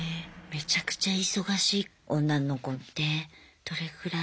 めちゃくちゃ忙しい女の子ってどれぐらい？